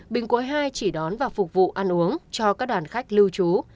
bình cuối hai chỉ đón và phục vụ ăn uống cho các đoàn khách lưu trú